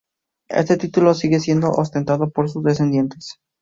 Este título sigue siendo ostentado por sus descendientes.